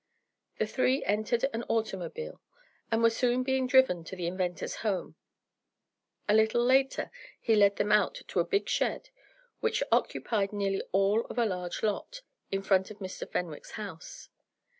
The three entered an automobile, and were soon being driven to the inventor's home. A little later he led them out to a big shed which occupied nearly all of a large lot, in back of Mr. Fenwick's house.